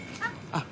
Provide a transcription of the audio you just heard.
あっ。